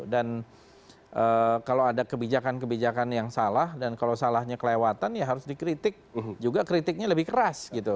dan kalau ada kebijakan kebijakan yang salah dan kalau salahnya kelewatan ya harus dikritik juga kritiknya lebih keras gitu